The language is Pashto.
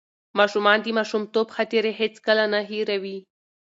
ماشومان د ماشومتوب خاطرې هیڅکله نه هېروي.